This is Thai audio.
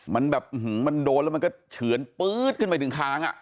มันแบบมันโดนแล้วมันก็เฉือนปื๊ดขึ้นไปถึงค้างอ่ะ